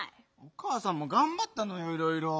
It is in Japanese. かあさんもがんばったのよいろいろ。